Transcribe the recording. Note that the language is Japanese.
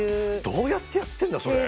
どうやってやってんだそれ。